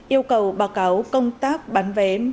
yêu cầu báo cáo công tác bán vé